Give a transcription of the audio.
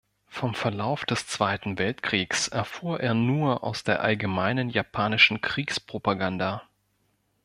Vom Verlauf des Zweiten Weltkriegs erfuhr er nur aus der allgemeinen japanischen Kriegspropaganda.